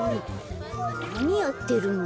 なにやってるの？